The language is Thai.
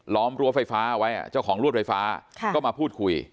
้อมรั้วไฟฟ้าเอาไว้เจ้าของรวดไฟฟ้าก็มาพูดคุย